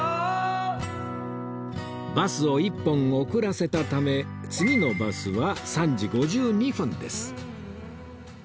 バスを１本遅らせたため次のバスは３時５２分です